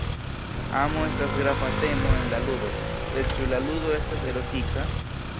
Amo estas grava temo en la ludo, sed ĉu la ludo estas erotika?